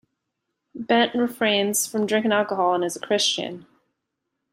Bent refrains from drinking alcohol and is a Christian.